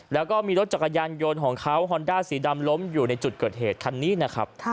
แล้วก็มีรถจักรยานยนต์ของเขาฮอนด้าสีดำล้มอยู่ในจุดเกิดเหตุคันนี้นะครับ